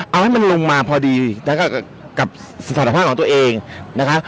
เอาให้มันลงมาพอดีกับสถานภาพของตัวเองนะคะ